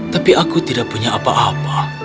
tapi aku tidak punya apa apa